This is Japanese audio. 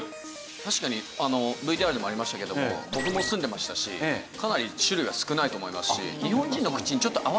確かにＶＴＲにもありましたけども僕も住んでましたしかなり種類が少ないと思いますし。